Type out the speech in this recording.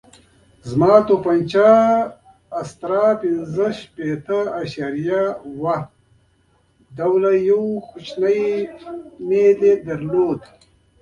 زما تومانچه استرا پنځه شپېته اعشاریه اوه ډوله یو کوچنی میل درلود.